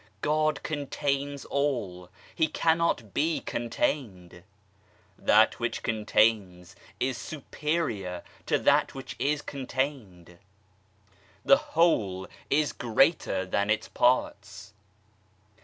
God contains all : He cannot be contained. That which contains is superior to that which is contained. The whole is greater than its parts.